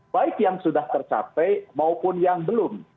baik yang sudah tercapai maupun yang belum